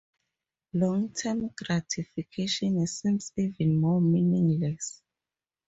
Long-term gratification seems even more meaningless.